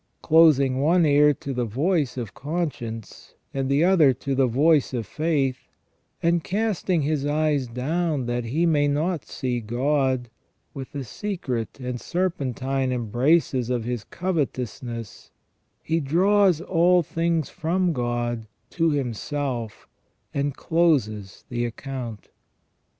Closing one ear to the voice of con science, and the other to the voice of faith, and casting his eyes down that he may not see God, with the secret and serpentine embraces of his covetousness he draws all things from God to himself, and closes the account.